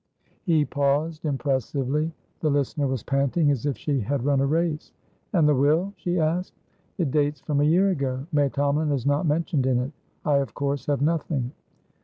He paused impressively. The listener was panting as if she had run a race. "And the will?" she asked. "It dates from a year ago. May Tomalin is not mentioned in it. I, of course, have nothing."